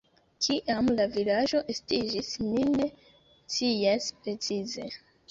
Kiam la vilaĝo estiĝis, ni ne scias precize.